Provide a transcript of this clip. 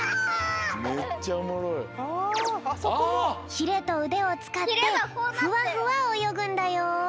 ひれとうでをつかってふわふわおよぐんだよ。